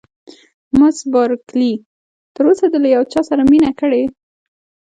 مس بارکلي: تر اوسه دې له یو چا سره مینه کړې؟